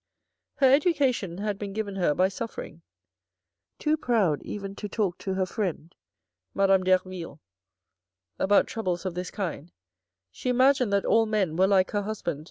Her education had been given her by suffering. Too proud even to talk to her friend, Madame Derville, about troubles of this kind, she imagined that all men were like her husband, M.